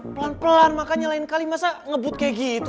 pelan pelan makanya lain kali masa ngebut kayak gitu